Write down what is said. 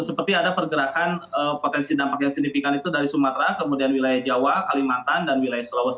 seperti ada pergerakan potensi dampak yang signifikan itu dari sumatera kemudian wilayah jawa kalimantan dan wilayah sulawesi